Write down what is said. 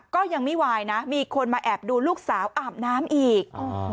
ก็ยังไม่วายนะมีคนมาแอบดูลูกสาวอาบน้ำอีก